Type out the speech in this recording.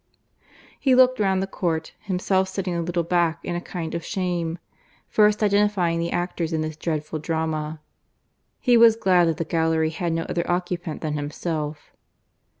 He looked round the court, himself sitting a little back in a kind of shame, first identifying the actors in this dreadful drama. He was glad that the gallery had no other occupant than himself.